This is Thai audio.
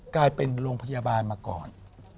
กลายเป็นโรงพยาบาลมาก่อน